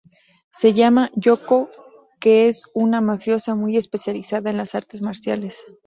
Se llama Yoko, que es una mafiosa muy especializada en las artes marciales.